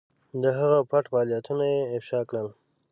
د هغه پټ فعالیتونه یې افشا کړل.